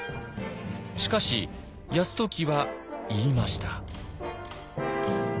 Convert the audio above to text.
しかし泰時は言いました。